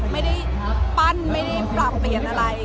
ไม่ได้ปั้นไม่ได้ปรับเปลี่ยนอะไร